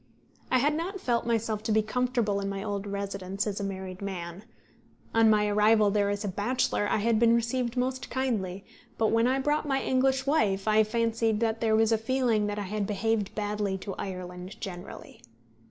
I had not felt myself to be comfortable in my old residence as a married man. On my arrival there as a bachelor I had been received most kindly, but when I brought my English wife I fancied that there was a feeling that I had behaved badly to Ireland generally.